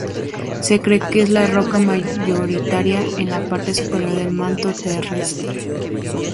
Se cree que es la roca mayoritaria en la parte superior del manto terrestre.